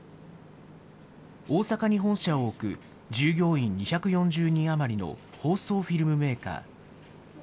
大阪に本社を置く、従業員２４０人余りの包装フィルムメーカー。